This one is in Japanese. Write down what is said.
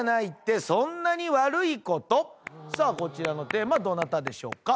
さあこちらのテーマどなたでしょうか？